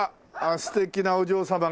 素敵なお嬢様が。